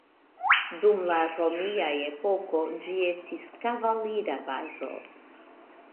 Dum la romia epoko, ĝi estis kavalira bazo.